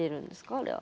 あれは。